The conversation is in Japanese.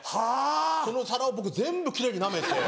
その皿を僕全部奇麗になめて。